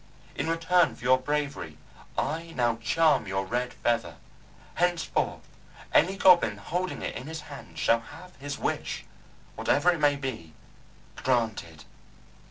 In return for your bravery I now charm your Red Feather. Henceforth any goblin holding it in his hand shall have his wish whatever it may be granted."